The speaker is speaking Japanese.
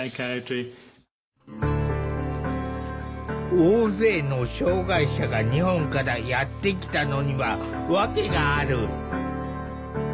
大勢の障害者が日本からやって来たのには訳がある。